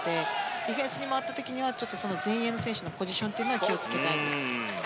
ディフェンスに回った時にはちょっと前衛の選手のポジションには気を付けたいです。